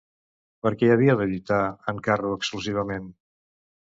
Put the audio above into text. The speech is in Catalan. Per què havia de lluitar en carro exclusivament?